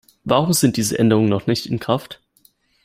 Warum sind diese Änderungen noch nicht in Kraft?